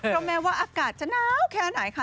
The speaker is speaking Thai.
เพราะแม้ว่าอากาศจะน้าวแค่ไหนค่ะ